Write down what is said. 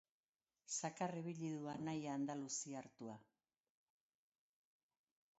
Zakar ibili du anaia andaluziartua.